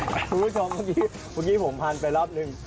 คุณผู้ชมเมื่อกี้ผมพันไปรอบหนึ่ง